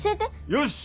よし！